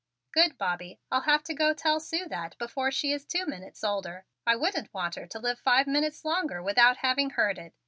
"Good, Bobby! I'll have to go tell Sue that before she is two minutes older. I wouldn't want her to live five minutes longer without having heard it.